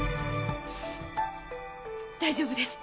大丈夫です。